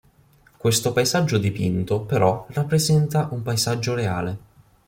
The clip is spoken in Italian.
Questo paesaggio dipinto però rappresenta un paesaggio reale.